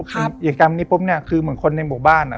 อย่างนี้คือเหมือนคนในหมู่บ้าน